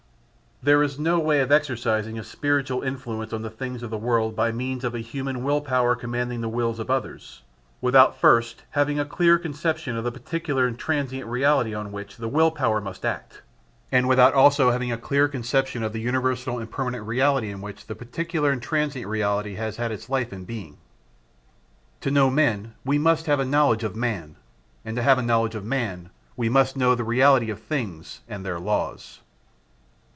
There is no way of exercising a spiritual influence on the things of the world by means of a human will power commanding the wills of others, without first having a clear conception of the particular and transient reality on which the will power must act, and without also having a clear conception of the universal and permanent reality in which the particular and transient reality has its life and being. To know men we must have a knowledge of man; and to have a knowledge of man we must know the reality of things and their laws.